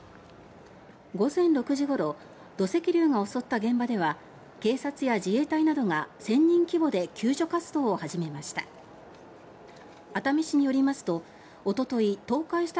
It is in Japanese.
午前６時ごろ土石流が襲った現場では警察や自衛隊などが１０００人規模で救助活動を始めました。